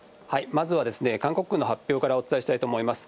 まずは韓国軍の発表からお伝えしたいと思います。